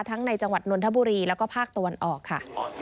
ในจังหวัดนนทบุรีแล้วก็ภาคตะวันออกค่ะ